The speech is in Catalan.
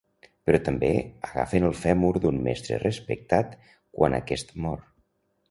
Però també agafen el fèmur d'un mestre respectat quan aquest mor.